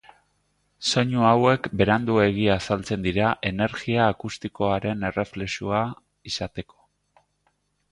Soinu hauek beranduegi azaltzen dira energia akustikoaren erreflexua izateko.